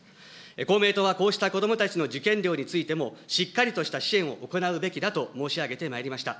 公明党はこうした子どもたちの受験料についても、しっかりとした支援を行うべきだと申し上げてまいりました。